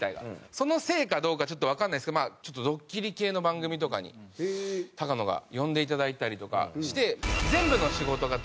そのせいかどうかちょっとわからないんですけどちょっとドッキリ系の番組とかに高野が呼んでいただいたりとかして全部の仕事がドッキリだと思っちゃってるんですね。